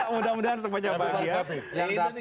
mudah mudahan semuanya bahagia